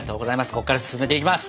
ここから進めていきます。